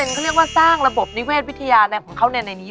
เสนกเขาเรียกว่าสร้างระบบนิเวษวิทยาแรงของเขาในนัยเลย